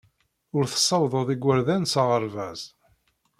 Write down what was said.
Ur tessawḍeḍ igerdan s aɣerbaz.